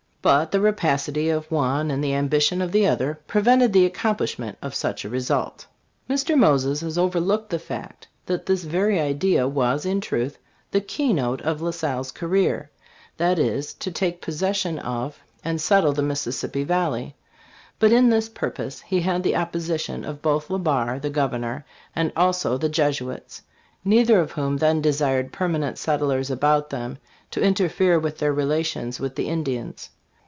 But the rapacity of one and the ambition of the other prevented the accomplishment of such a result." Mr. Moses has overlooked the fact that this very idea was, in truth, the keynote of La Salle's career : that is, to take possession of and settle the Mississippi valley ; but in this purpose he had the opposition of both Le Barre, the governor, and also the Jesuits, neither of whom then desired per manent settlers about them to interfere with their relations with the Indians.